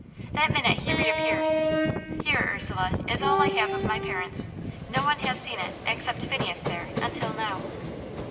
That minute he re appeared. "Here, Ursula, is all I have of my parents. No one has seen it, except Phineas there, until now."